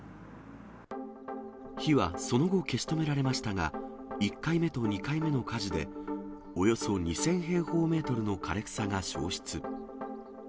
火はその後、消し止められましたが、１回目と２回目の火事で、およそ２０００平方メートルの枯れ草が焼失。